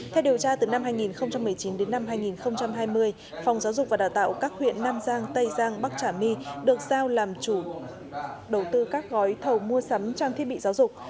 theo điều tra từ năm hai nghìn một mươi chín đến năm hai nghìn hai mươi phòng giáo dục và đào tạo các huyện nam giang tây giang bắc trà my được giao làm chủ đầu tư các gói thầu mua sắm trang thiết bị giáo dục